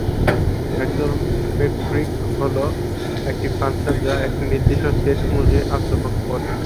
একটি মেট্রিক হলো একটি ফাংশন যা একটি নির্দিষ্ট সেট অনুযায়ী আচরণ করে।